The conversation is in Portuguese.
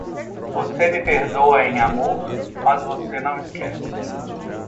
Você me perdoa em amor, mas você não esquece.